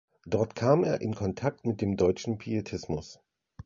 Dort kam er in Kontakt mit dem deutschen Pietismus.